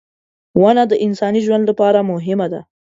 • ونه د انساني ژوند لپاره مهمه ده.